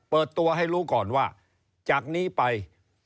เปิดตัวให้รู้ก่อนว่าจากนี้ไป